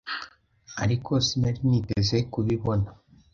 ariko sinari niteze ku bibona